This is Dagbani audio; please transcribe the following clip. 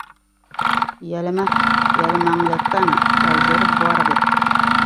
Yεlima: Yεlimaŋli kana, ka ʒiri bɔrgi.